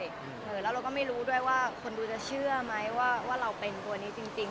แล้วเราก็ไม่รู้ด้วยว่าคนดูจะเชื่อไหมว่าเราเป็นตัวนี้จริง